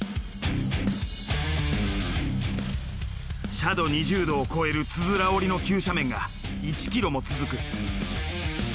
斜度２０度を超えるつづら折りの急斜面が１ｋｍも続く。